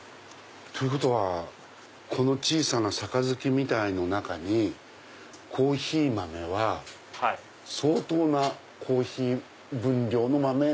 ということはこの小さな杯の中にコーヒー豆は相当なコーヒー分量の豆。